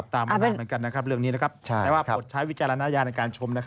ตามคำหน้ากันเรื่องนี้ใช้วิจัยและนาญาณในการชม